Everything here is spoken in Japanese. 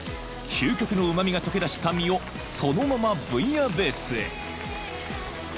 ［究極のうま味がとけ出した身をそのままブイヤベースへ］